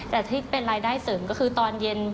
แต่ที่เป็นรายได้เสริมก็คือตอนเย็น